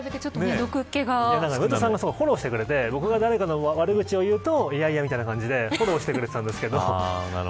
上戸さんがすごくフォローしてくれて僕が悪口を言うといやいや、みたいな感じでフォローしてくれていたんですけど